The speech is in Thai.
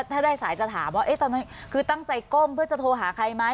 ถ้าได้สายจะถามว่าตอนนั้นคือตั้งใจก้มเพื่อจะโทรหาใครไหม